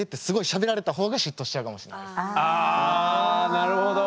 なるほど。